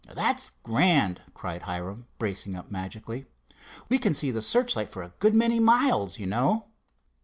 "That's grand!" cried Hiram, bracing up magically. "We can see the searchlight for a good many miles, you know."